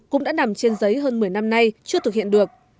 cũng đã nằm trên giấy hơn một mươi năm nay chưa thực hiện được